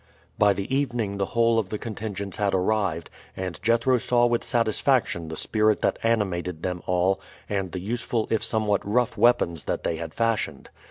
By the evening the whole of the contingents had arrived, and Jethro saw with satisfaction the spirit that animated them all and the useful if somewhat rough weapons that they had fashioned.